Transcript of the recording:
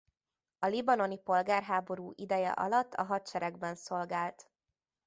A libanoni polgárháború ideje alatt a hadseregben szolgált.